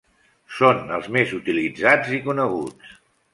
Són els més utilitzats i coneguts.